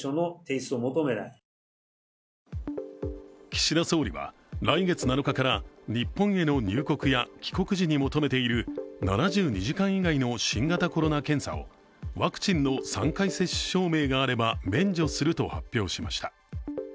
岸田総理は、来月７日から日本への入国や帰国時に求めている７２時間以内の新型コロナ検査をワクチンの３回接種証明があれば免除すると発表しました。